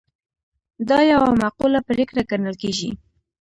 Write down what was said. دا یوه معقوله پرېکړه ګڼل کیږي.